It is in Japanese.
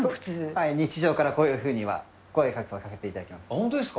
はい、日常からこういうふうには声をかけていただきます。